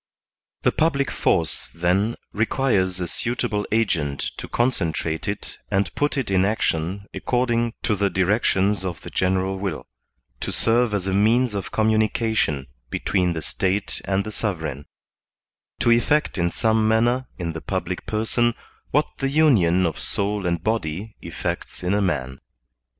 The public force, then, requires a suitable agent to con centrate it and put it in action according to the directions of the general will, to serve as a means of communication 4 (49) so THE SOCIAL CONTRACT between the State and the sovereign, to effect in some manner in the public person what the union of soul and body effects in a man.